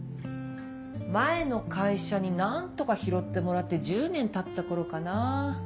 前の会社に何とか拾ってもらって１０年たった頃かな。